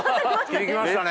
響きましたね！